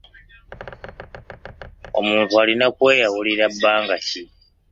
Omuntu alina okweyawulira bbanga ki?